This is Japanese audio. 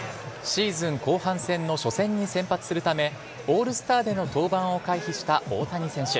シーズン後半戦の初戦に先発するため、オールスターでの登板を回避した大谷選手。